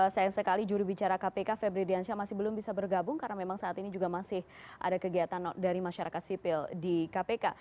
sayang sekali juri bicara kpk febri diansyah masih belum bisa bergabung karena memang saat ini juga masih ada kegiatan dari masyarakat sipil di kpk